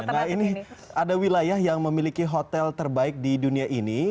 nah ini ada wilayah yang memiliki hotel terbaik di dunia ini